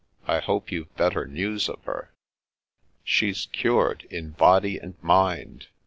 I hope you've better news of her ?"" She's cured in body and mind.